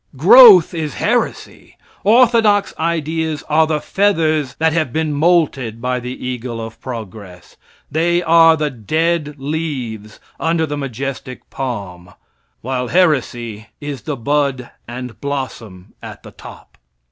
Growth is heresy. Orthodox ideas are the feathers that have been molted by the eagle of progress. They are the dead leaves under the majestic palm; while heresy is the bud and blossom at the top.